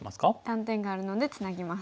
断点があるのでツナぎます。